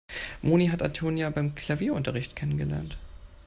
Moni hat Antonia beim Klavierunterricht kennengelernt.